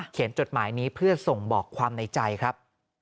จดหมายนี้เพื่อส่งบอกความในใจครับ